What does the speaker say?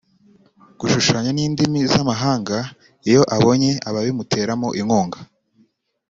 gushushanya n’indimi z’amahanga iyo abonye ababimuteramo inkunga